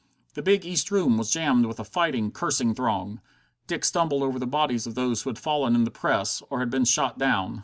The big East Room was jammed with a fighting, cursing throng. Dick stumbled over the bodies of those who had fallen in the press, or had been shot down.